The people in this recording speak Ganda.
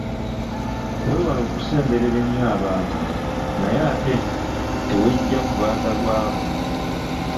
Weewale okusemberera ennyo abantu naye ate teweggya ku baagalwa bo.